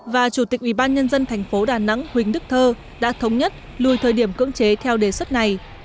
và chủ tịch ủy ban nhân dân thành phố đà nẵng huỳnh đức thơ đã thống nhất lùi thời điểm cưỡng chế theo đề xuất này